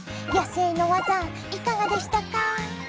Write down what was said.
野性の技いかがでしたか？